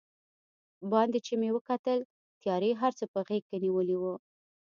باندې چې مې وکتل، تیارې هر څه په غېږ کې نیولي و.